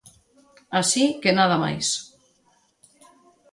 Así que nada máis.